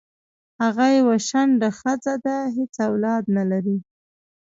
هغه یوه شنډه خځه ده حیڅ اولاد نه لری